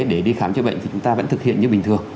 để đi khám chữa bệnh thì chúng ta vẫn thực hiện như bình thường